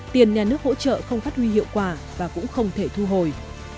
tiền nhà nước hỗ trợ không phát huy hiệu quả và cũng không thể thu hồi